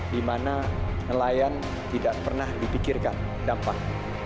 dimana nelayan tidak pernah dipikirkan dampak